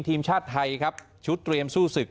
ทีมชาติไทยครับชุดเตรียมสู้ศึก